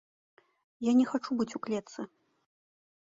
Я не хачу быць у клетцы.